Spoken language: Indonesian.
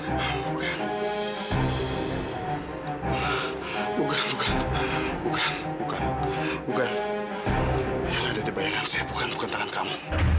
bukan bukan bukan bukan bukan bukan yang ada di bayangan saya bukan bukan tangan kamu